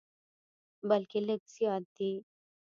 بلکې لږ زیات دي.